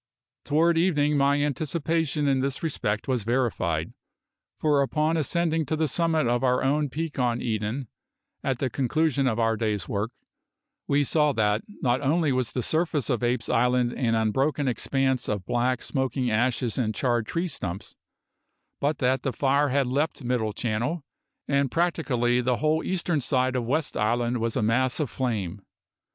Toward evening my anticipation in this respect was verified, for upon ascending to the summit of our own peak on Eden, at the conclusion of our day's work, we saw that not only was the surface of Apes' Island an unbroken expanse of black, smoking ashes and charred tree stumps, but that the fire had leaped Middle Channel, and practically the whole eastern side of West Island was a mass of flame.